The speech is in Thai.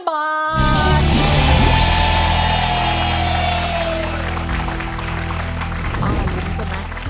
ป้ารุ้นใช่ไหม